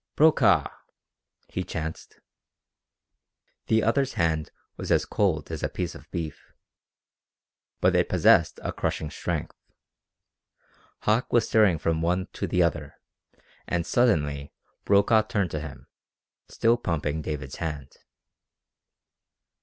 "Brokaw!" he chanced. The other's hand was as cold as a piece of beef. But it possessed a crushing strength. Hauck was staring from one to the other, and suddenly Brokaw turned to him, still pumping David's hand.